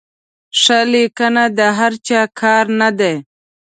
ښه لیکنه د هر چا کار نه دی.